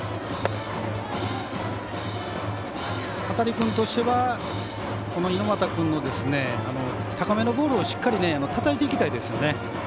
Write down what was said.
中君としては猪俣君の高めのボールをしっかりたたいていきたいですよね。